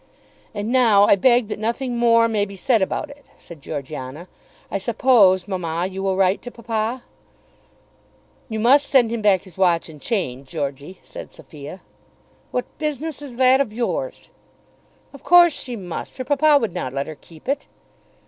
"And now I beg that nothing more may be said about it," said Georgiana. "I suppose, mamma, you will write to papa?" "You must send him back his watch and chain, Georgey," said Sophia. "What business is that of yours?" "Of course she must. Her papa would not let her keep it."